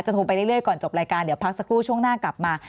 โทรไปเรื่อยก่อนจบรายการเดี๋ยวพักสักครู่ช่วงหน้ากลับมา